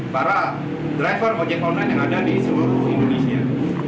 para driver ojek online yang ada di seluruh indonesia